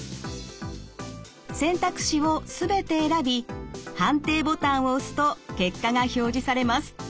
選択肢を全て選び判定ボタンを押すと結果が表示されます。